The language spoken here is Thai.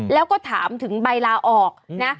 แล้วก็ถามถึงใบลาออกนะ